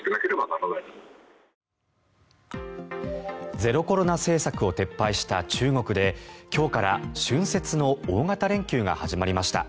ゼロコロナ政策を撤廃した中国で今日から春節の大型連休が始まりました。